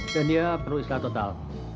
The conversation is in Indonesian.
dan dia perlu islah total